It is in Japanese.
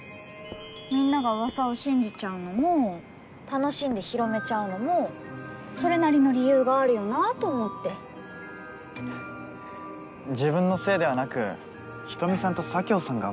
みんながうわさを信じちゃうのも楽しんで広めちゃうのもそれなりの理由があるよなと思って自分のせいではなく人見さんと佐京さんが悪いと？